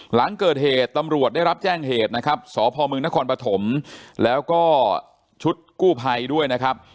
หลังเกิดเหตุตำรวจได้รับแจ้งเหตุนะครับสพมนครปฐมแล้วก็ชุดกู้ภัยด้วยนะครับ